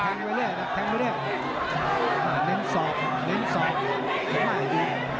หลายหลายหลายหลายหลาย